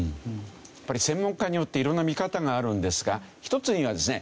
やっぱり専門家によって色んな見方があるんですが１つにはですね